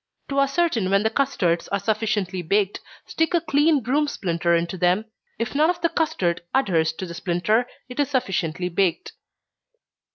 To ascertain when the custards are sufficiently baked, stick a clean broom splinter into them if none of the custard adheres to the splinter, it is sufficiently baked.